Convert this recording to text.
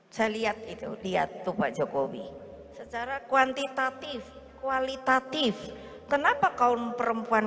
saya lihat itu diatur pak jokowi secara kuantitatif kualitatif kenapa kaum perempuan